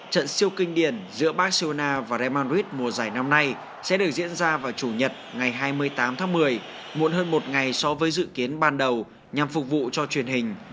trận siêu kinh điển giữa barcelona và real madrid mùa giải năm nay sẽ được diễn ra vào chủ nhật ngày hai mươi tám tháng một mươi muộn hơn một ngày so với dự kiến ban đầu nhằm phục vụ cho truyền hình